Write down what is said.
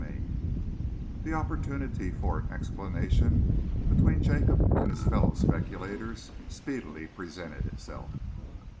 CHAPTER IX The opportunity for an explanation between Jacob and his fellow speculators speedily presented itself.